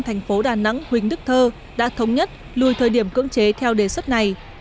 thành phố đà nẵng huỳnh đức thơ đã thống nhất lùi thời điểm cưỡng chế theo đề xuất này